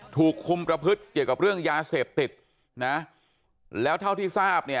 ถูกคุมประพฤติเกี่ยวกับเรื่องยาเสพติดนะแล้วเท่าที่ทราบเนี่ย